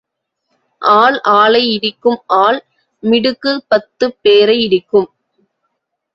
ஆள் ஆளை இடிக்கும் ஆள் மிடுக்குப் பத்துப் பேரை இடிக்கும்.